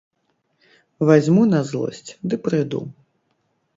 Вазьму на злосць ды прыйду.